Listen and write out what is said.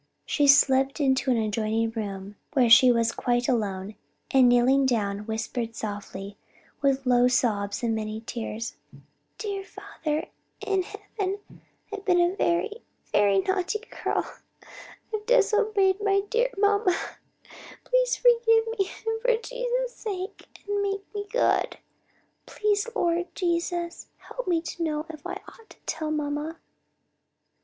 '" She slipped into an adjoining room, where she was quite alone, and kneeling down, whispered softly, with low sobs and many tears, "Dear Father in heaven, I've been a very, very naughty girl; I disobeyed my dear mamma; please forgive me for Jesus' sake and make me good. Please Lord Jesus, help me to know if I ought to tell mamma."